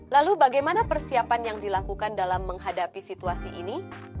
lalu bagaimana persiapan yang dilakukan dalam menghadapi situasi ini